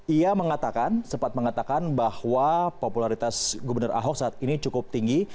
ia mengatakan sempat mengatakan bahwa popularitas gubernur ahok saat ini cukup tinggi